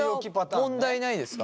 それは問題ないですか？